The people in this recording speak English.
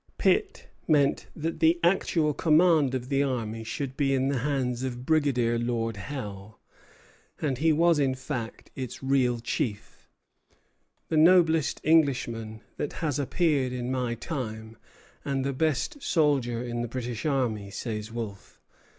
Pitt meant that the actual command of the army should be in the hands of Brigadier Lord Howe, and he was in fact its real chief; "the noblest Englishman that has appeared in my time, and the best soldier in the British army," says Wolfe.